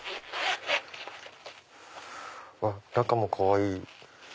中もかわいい。